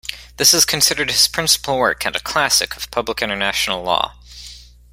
This is considered his principal work and a classic of public international law.